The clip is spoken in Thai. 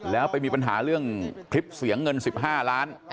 แล้วไปมีปัญหาเรื่องคลิปเสียงเงิน๑๕ล้าน